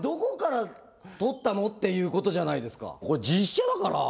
これ実写だから。